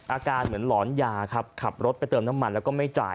อาการเหมือนหลอนยาครับขับรถไปเติมน้ำมันแล้วก็ไม่จ่าย